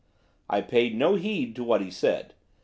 I paid no heed to what he said.